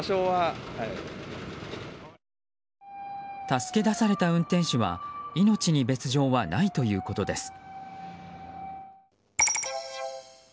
助け出された運転手は命に別条はないということです。